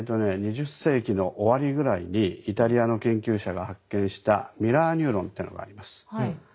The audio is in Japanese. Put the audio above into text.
２０世紀の終わりぐらいにイタリアの研究者が発見したミラーニューロンってのがあります。